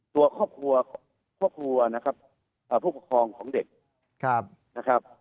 ตัวครอบครัวผู้ผกครองของเด็กนะครับ